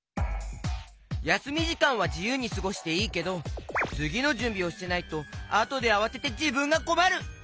やすみじかんはじゆうにすごしていいけどつぎのじゅんびをしてないとあとであわててじぶんがこまる！